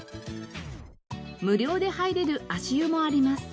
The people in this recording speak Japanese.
無料で入れる足湯もあります。